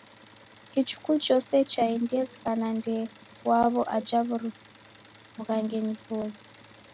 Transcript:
Kichuku chose chaendie zighana ndee waw'o aja w'ughangenyi Voi.